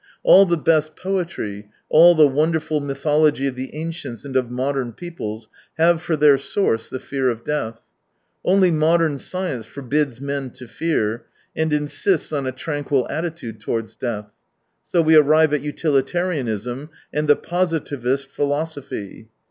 All the best poetry, all the wonderful mythology of the ancients and of modern peoples have for their source the fear of death. Only modern science forbids men to fear, and insists on a tranquil attitude towards death. So we arrive at utilitarianism and the positivist philosophy.